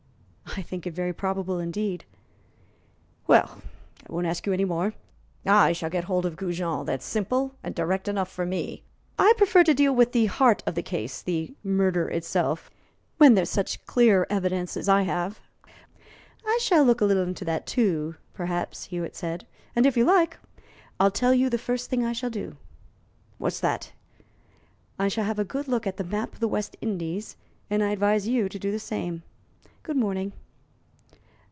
"I think it very probable indeed." "Well, I won't ask you any more. I shall get hold of Goujon; that's simple and direct enough for me. I prefer to deal with the heart of the case the murder itself when there's such clear evidence as I have." "I shall look a little into that, too, perhaps," Hewitt said, "and, if you like, I'll tell you the first thing I shall do." "What's that?" "I shall have a good look at a map of the West Indies, and I advise you to do the same. Good morning."